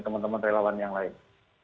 teman teman relawan yang lain